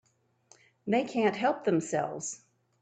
They can't help themselves.